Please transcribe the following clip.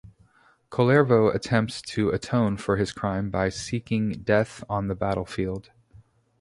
Kullervo attempts to atone for his crime by seeking death on the battlefield.